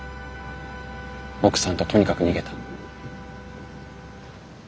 奥さんととにかく逃げた。